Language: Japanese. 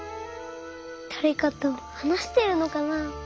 だれかとはなしてるのかな？